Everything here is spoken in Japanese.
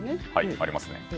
ありますね。